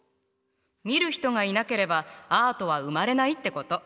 見る人がいなければアートは生まれないってこと。